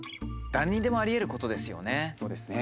誰にでもありえることですよね。